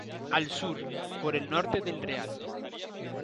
Al sur: por el monte de El Real.